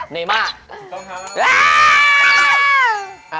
เนม่า